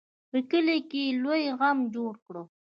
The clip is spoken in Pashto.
په کلي کې یې لوی غم جوړ کړ.